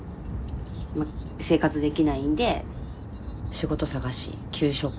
まあ生活できないんで仕事探し求職。